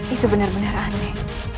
itu benar benar aneh